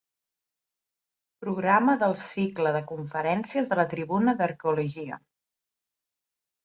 Programa del cicle de conferències de la Tribuna d'Arqueologia.